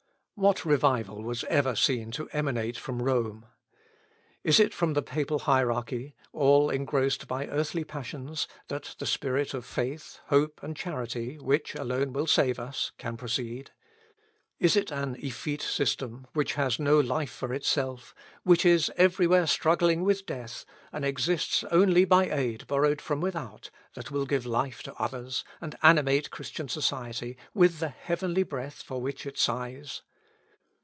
What revival was ever seen to emanate from Rome? Is it from the Papal hierarchy, all engrossed by earthly passions, that the spirit of faith, hope, and charity, which alone will save us, can proceed? Is it an effete system, which has no life for itself, which is everywhere struggling with death, and exists only by aid borrowed from without, that will give life to others, and animate Christian society with the heavenly breath for which it sighs?